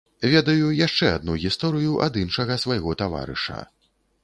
Ведаю яшчэ адну гісторыю ад іншага свайго таварыша.